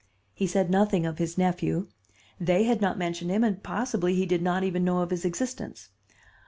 He said nothing of his nephew. They had not mentioned him, and possibly he did not even know of his existence.